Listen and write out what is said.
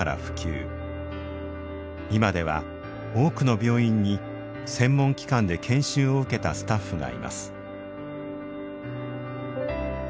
今では多くの病院に専門機関で研修を受けたスタッフがいます。